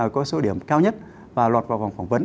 có số điểm cao nhất và lọt vào vòng phỏng vấn